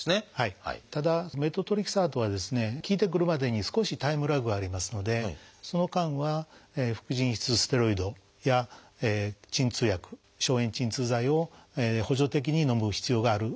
ただメトトレキサートはですね効いてくるまでに少しタイムラグがありますのでその間は副腎皮質ステロイドや鎮痛薬消炎鎮痛剤を補助的にのむ必要がある場合が多いです。